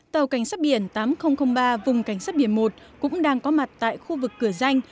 tàu cảnh sát biển tám nghìn ba vùng cảnh sát biển một cũng đang có mặt tại khu vực cửa danh